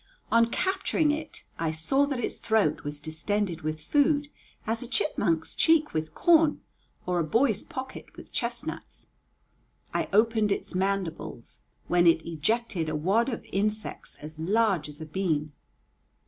On capturing it I saw that its throat was distended with food as a chipmunk's cheek with corn, or a boy's pocket with chestnuts. I opened its mandibles, when it ejected a wad of insects as large as a bean.